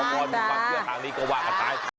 มาตรงนี้ก็ว่าจะตาย